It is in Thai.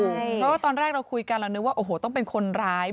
เพราะว่าตอนแรกเราคุยกันเรานึกว่าโอ้โหต้องเป็นคนร้าย